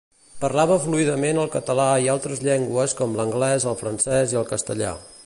Parlava fluidament el català i altres llengües com l'anglès, el francès i el castellà.